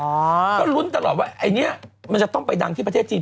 ก็ลุ้นตลอดว่าไอ้เนี่ยมันจะต้องไปดังที่ประเทศจีน